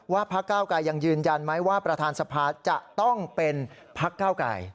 พักเก้าไกรยังยืนยันไหมว่าประธานสภาจะต้องเป็นพักเก้าไกร